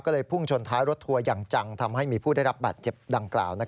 ก็เลยพุ่งชนท้ายรถทัวร์อย่างจังทำให้มีผู้ได้รับบาดเจ็บดังกล่าว